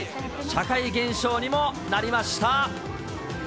社会現象にもなりました。